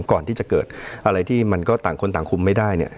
ก่อนที่จะเกิดอะไรที่มันก็ต่างคนต่างคุมไม่ได้เนี่ย